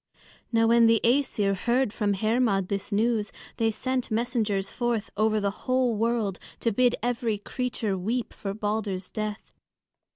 Now when the Æsir heard from Hermod this news, they sent messengers forth over the whole world to bid every creature weep for Balder's death.